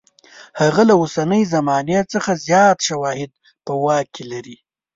هغه له اوسنۍ زمانې څخه زیات شواهد په واک کې لري.